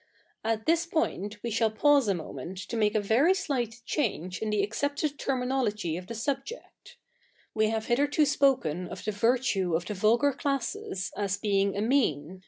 At this point we shall pause a 7no7ne7it to 7nake a very slight change i/i the accepted te/nninolog}' of the sub ject. We have hitherto spoke7i of the virtue of the vulgar classes as being a 7nean.